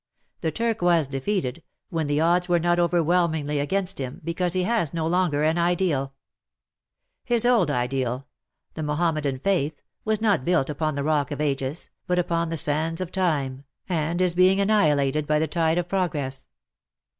The Turk was defeated, when the odds were not over whelmingly against him, because he has no longer an Ideal. His old Ideal — the Mahom medan faith — was not built upon the Rock of Ages, but upon the sands of Time, and is being annihilated by the tide of progress.